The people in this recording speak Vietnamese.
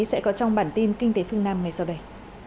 sẽ có trong bản tin kinh tế phương nam ngày sau đây